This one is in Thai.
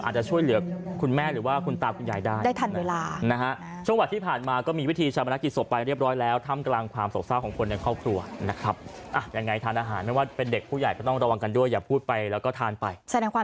อาจจะช่วยเหลือคุณแม่หรือว่าคุณตาคุณใหญ่